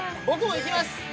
僕も行きます！